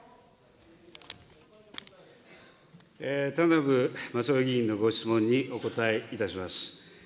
田名部匡代議員のご質問にお答えいたします。